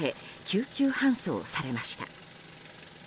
救急搬送されました。